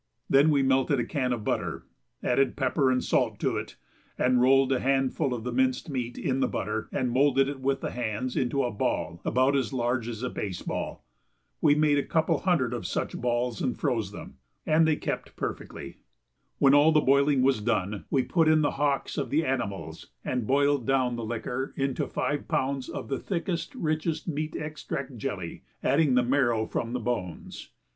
Then we melted a can of butter, added pepper and salt to it, and rolled a handful of the minced meat in the butter and moulded it with the hands into a ball about as large as a baseball. We made a couple of hundred of such balls and froze them, and they kept perfectly. When all the boiling was done we put in the hocks of the animals and boiled down the liquor into five pounds of the thickest, richest meat extract jelly, adding the marrow from the bones.